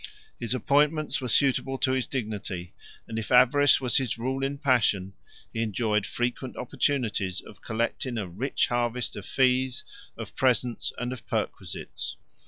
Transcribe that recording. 100 His appointments were suitable to his dignity; 101 and if avarice was his ruling passion, he enjoyed frequent opportunities of collecting a rich harvest of fees, of presents, and of perquisites.